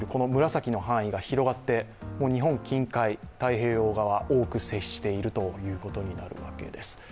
紫の範囲が広がって日本近海、太平洋側、多く接しているということになるわけです。